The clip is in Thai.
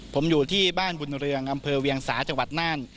ผมอยู่ที่บ้านบุญเรืองอำเภอเวียงสาจังหวัดน่าน